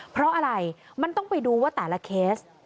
เพราะอะไรมันต้องไปดูว่าแต่ละเคส